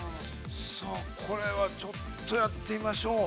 ◆これはちょっとやってみましょう。